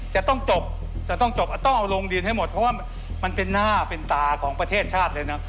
จะต้องจบจะต้องจบต้องเอาลงดินให้หมดเพราะว่ามันเป็นหน้าเป็นตาของประเทศชาติเลยนะ